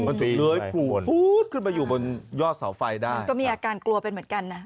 มันจะเผือผู้สุดขึ้นมาอยู่บนยอดเสาไฟได้ก็มีอาการกลัวเป็นเหมือนกันนะ